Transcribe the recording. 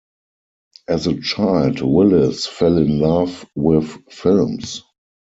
As a child, Willis fell in love with films.